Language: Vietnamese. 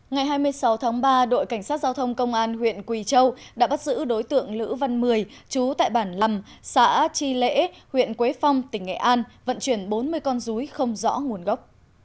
ngày hai mươi sáu tháng ba đội cảnh sát giao thông công an huyện quỳ châu đã bắt giữ đối tượng lữ văn mười chú tại bản lầm xã tri lễ huyện quế phong tỉnh nghệ an vận chuyển bốn mươi con rúi không rõ nguồn gốc